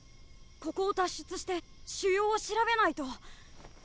ここを脱出して腫瘍を調べないと。